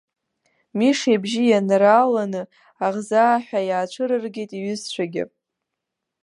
Миша ибжьы ианрааланы, аӷзаа ҳәа иаацәырыргеит иҩызцәагьы.